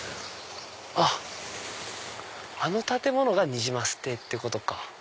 あっあの建物がにじます亭ってことか。